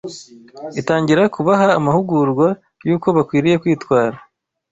itangira kubaha amahugurwa yuko bakwiriye kwitwara